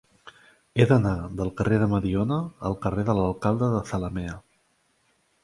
He d'anar del carrer de Mediona al carrer de l'Alcalde de Zalamea.